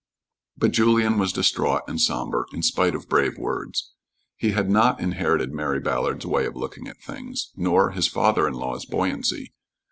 But Julien was distraught and somber, in spite of brave words. He had not inherited Mary Ballard's way of looking at things, nor his father in law's buoyancy.